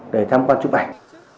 để tham quan chụp ảnh